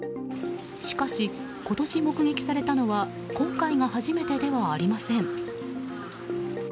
しかし今年、目撃されたのは今回が初めてではありません。